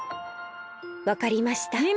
わかりました。